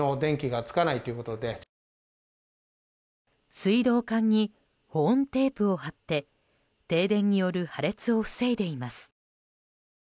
水道管に保温テープを貼って停電による破裂を防いでいます。